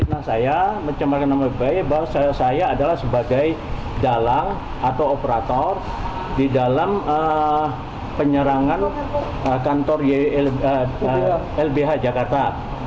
nah saya mencemarkan nama baik bahwa saya adalah sebagai dalang atau operator di dalam penyerangan kantor lbh jakarta